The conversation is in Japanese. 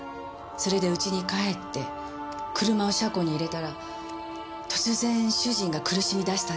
それでうちに帰って車を車庫に入れたら突然主人が苦しみ出したんです。